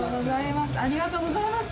ありがとうございます。